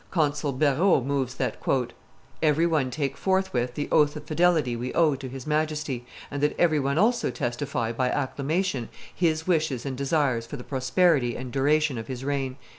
... Consul Beraud moves that "every one take forthwith the oath of fidelity we owe to his Majesty, and that every one also testify, by acclamation, his wishes and desires for the prosperity and duration of his reign."